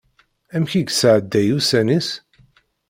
Amek i yesɛedday ussan-is?